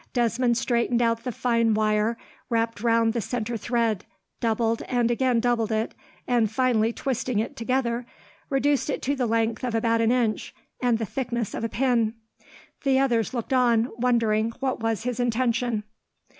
Desmond straightened out the fine wire wrapped round the centre thread, doubled, and again doubled it, and finally twisting it together, reduced it to a length of about an inch, and the thickness of a pin. The others looked on, wondering what was his intention.